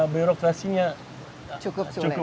birokrasinya cukup sulit